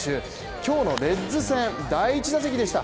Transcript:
今日のレッズ戦、第１打席でした。